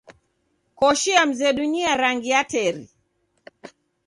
Koshi ya mzedu ni ya rangi ya teri.